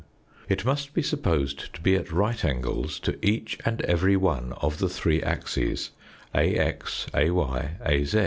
It must be supposed to be at right angles to each and every one of the three axes AX, AY, AZ.